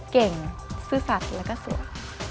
ซื่อสัตว์แล้วก็สวย